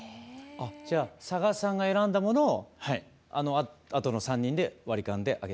じゃあ佐賀さんが選んだものをあとの３人で割り勘であげてる。